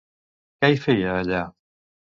Què hi feia, allà?